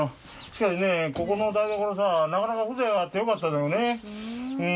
しかしねぇここの台所さぁなかなか風情があって良かったんだけどね。